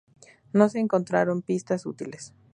No se encontraron pistas útiles.